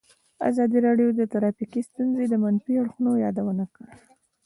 ازادي راډیو د ټرافیکي ستونزې د منفي اړخونو یادونه کړې.